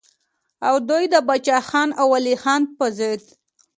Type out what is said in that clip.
او دوي د باچا خان او ولي خان پۀ ضد